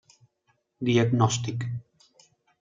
Diagnòstic: